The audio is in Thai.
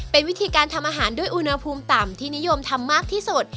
เป็นวิธีการทำอาหารด้วยอุณหภูมิต่ำที่นิยมทำมากที่สุด